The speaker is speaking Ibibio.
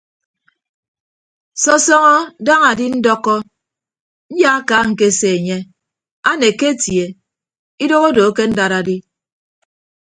Sọsọñọ daña adindọkọ nyaaka ñkese enye aneke atie idoho odo akendad adi.